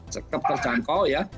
cukup terjangkau ya